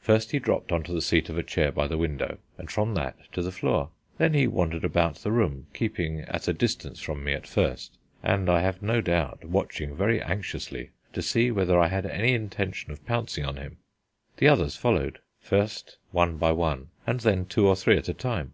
First he dropped on to the seat of a chair by the window, and from that to the floor. Then he wandered about the room, keeping at a distance from me at first, and, I have no doubt, watching very anxiously to see whether I had any intention of pouncing on him. The others followed, first one by one and then two or three at a time.